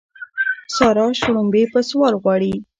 سارا شړومبې په سوال غواړي.